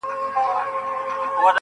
تا راته نه ويل د کار راته خبري کوه .